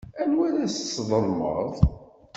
Anwa ara tesḍelmeḍ?